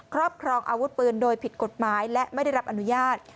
ครอบครองอาวุธปืนโดยผิดกฎหมายและไม่ได้รับอนุญาต